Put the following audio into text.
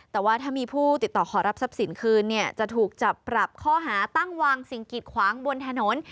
แต่ว่าถ้ามีผู้ติดต่อขอรับทรัพย์สินคืนเนี่ยจะถูกจับปรับข้อหาตั้งวางสิ่งกิดขวางบนถนน